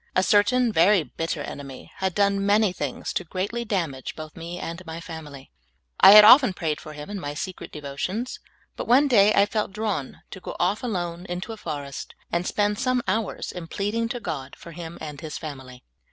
A certain very bitter enemy had done many things to greatly damage both me and my famil}^ I had often prayed for him in m}^ secret devotions, but one day I felt drawn to go off alone into a forest and spend some hours in plead PRAYING FOR AN ENKMY. II5 iug to God for him aud his family.